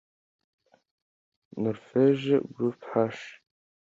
Norvège (Group H)